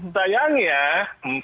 sayangnya tidak ada